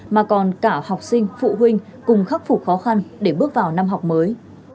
mà còn cả học sinh phụ huynh cùng khắc phục khó khăn để bước vào năm học mới